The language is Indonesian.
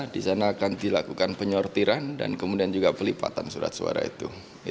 di sana akan dilakukan penyortiran dan kemudian juga pelipatan surat suara itu